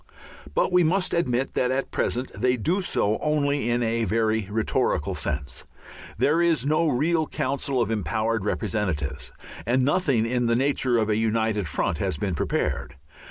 But we must admit that at present they do so only in a very rhetorical sense. There is no real council of empowered representatives, and nothing in the nature of a united front has been prepared.